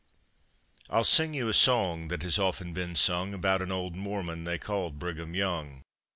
I. I'll sing you a song that has often been sung About an old Mormon they called Brigham Young.